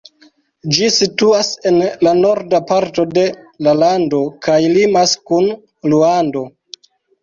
Ĝi situas en la norda parto de la lando, kaj limas kun Ruando.